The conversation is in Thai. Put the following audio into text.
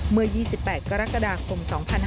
เมื่อ๒๘กรกฎาคม๒๕๕๙